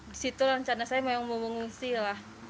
di situ rencana saya memang mau mengungsi lah